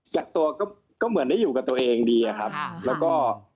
กักตัวก็เหมือนได้อยู่กับตัวเองดีอะครับแล้วก็